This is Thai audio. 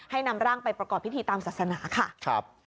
นำร่างไปประกอบพิธีตามศาสนาค่ะครับ